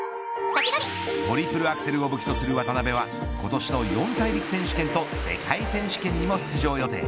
トリプルアクセルを武器とする渡辺は今年の四大陸選手権と世界選手権にも出場予定。